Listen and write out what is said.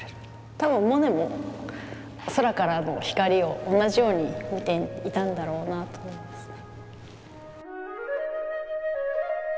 たぶんモネも空からの光を同じように見ていたんだろうなと思いますね。